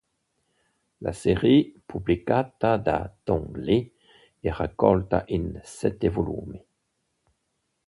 La serie, pubblicata da Tong Li è raccolta in sette volumi.